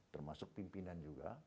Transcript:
termasuk pimpinan juga